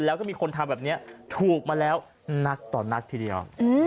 แล้วก็มีคนทำแบบนี้ถูกมาแล้วนักต่อนักทีเดียว